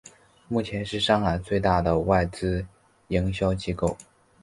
目前是上海最大的外资营销机构。